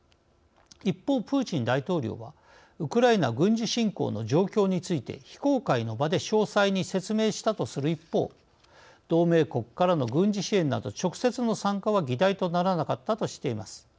一方プーチン大統領はウクライナ軍事侵攻の状況について非公開の場で詳細に説明したとする一方同盟国からの軍事支援など直接の参加は議題とならなかったとしています。